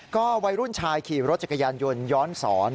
ก็วัยรุ่นชายขี่รถจักรยานยนต์ย้อนสอน